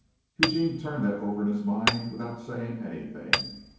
Eugene turned that over in his mind without saying anything.